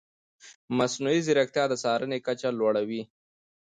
مصنوعي ځیرکتیا د څارنې کچه لوړه وي.